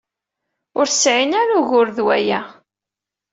Ur tesɛim ara ugur ed waya?